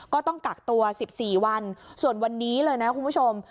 ก็ต้องกักตัว๑๔วันส่วนวันนี้เลยนะคุณผู้ชม